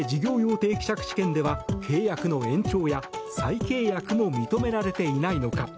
定期借地権では契約の延長や再契約も認められていないのか。